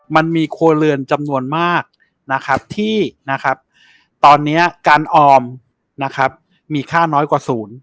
มันมีโครเรือนจำนวนมากที่ตอนนี้การออมมีค่าน้อยกว่าศูนย์